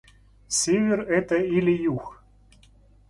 Север это или Юг?